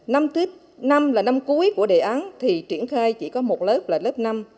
năm tiếp năm là năm cuối của đề án thì triển khai chỉ có một lớp là lớp năm